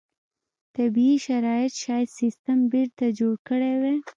طبیعي شرایط شاید سیستم بېرته جوړ کړی وای.